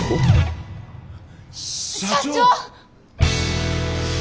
社長！？